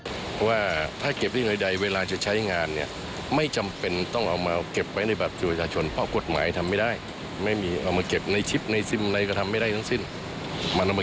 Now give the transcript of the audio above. ส่วนความเห็นโครงการสร้างอุรยางราชภักรณ์